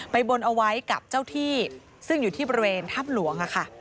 บนเอาไว้กับเจ้าที่ซึ่งอยู่ที่บริเวณถ้ำหลวงค่ะ